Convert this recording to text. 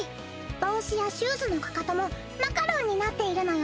帽子やシューズのかかともマカロンになっているのよ！